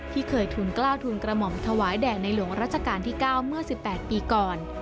เคยทุนกล้าวทุนกระหม่อมถวายแด่ในหลวงรัชกาลที่๙เมื่อ๑๘ปีก่อน